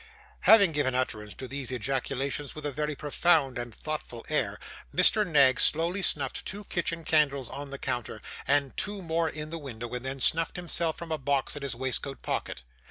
Having given utterance to these ejaculations with a very profound and thoughtful air, Mr. Knag slowly snuffed two kitchen candles on the counter, and two more in the window, and then snuffed himself from a box in his waistcoat pocket.